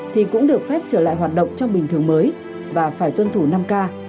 thì cũng được phép trở lại hoạt động trong bình thường mới và phải tuân thủ năm k